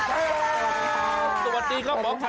สวัสดีครับหมอไค่ทาย